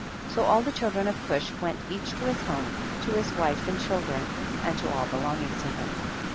27. So all the children of Cush went each to his home, to his wife and children and to all belonging to him.